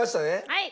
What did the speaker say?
はい。